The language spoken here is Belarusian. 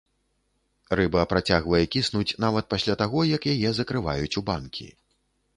Рыба працягвае кіснуць нават пасля таго, як яе закрываюць у банкі.